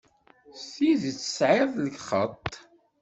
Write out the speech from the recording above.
S tidet tesɛiḍ lxeṭṭ.